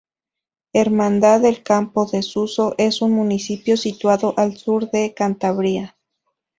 La Hermandad de Campoo de Suso es un municipio situado al sur de Cantabria.